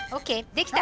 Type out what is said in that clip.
できた！